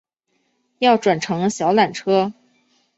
要转乘小缆车